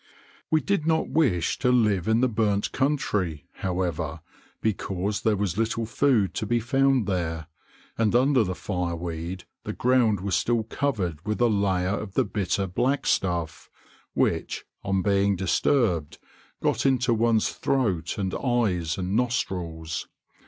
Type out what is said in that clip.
We did not wish to live in the burnt country, however, because there was little food to be found there, and under the fireweed the ground was still covered with a layer of the bitter black stuff, which, on being disturbed, got into one's throat and eyes and nostrils.